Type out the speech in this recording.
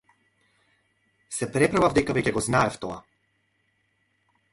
Се преправав дека веќе го знаев тоа.